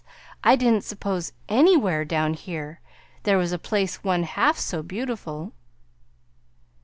I didn't suppose, anywhere, down here, there was a place one half so beautiful!"